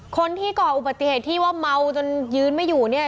ก่ออุบัติเหตุที่ว่าเมาจนยืนไม่อยู่เนี่ย